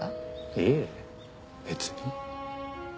いえ別に。